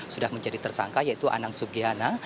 sudah menjadi tersangka yaitu anang sugiana